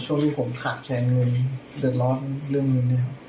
ช่วงนี้ผมขาดแค่เงินเดือดร้อนเริ่มอื่น